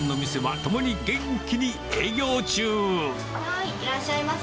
いらっしゃいませ。